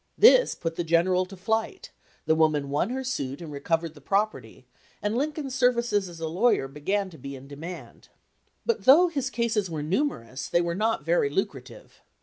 This put the "general" to flight; the woman won her suit and recovered the property, and Lincoln's services as a lawyer began to be in demand. But though his cases were numerous, they were not very lucrative.